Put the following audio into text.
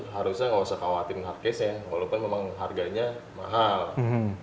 harusnya nggak usah khawatirin hardcase ya walaupun memang harganya mahal